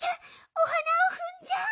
おはなをふんじゃう。